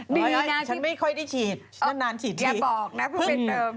ไม่ฉันไม่ค่อยได้ฉีดนานฉีดทีเดี๋ยวบอกนะพรุ่งเป็นเติม